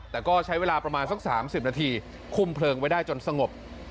แต่ก็ใช้เวลาประมาณสัก๓๐นาทีคุมเพลิงไว้ได้จนสงบ